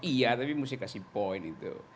iya tapi mesti kasih poin itu